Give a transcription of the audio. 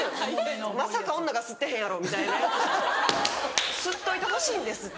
まさか女が吸ってへんやろみたいなやつを吸っといてほしいんですって。